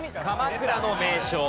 鎌倉の名所。